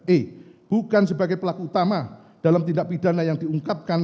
e bukan sebagai pelaku utama dalam tindak pidana yang diungkapkan